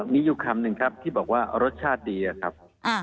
มีอยู่คำหนึ่งครับที่บอกว่ารสชาติดีอะครับ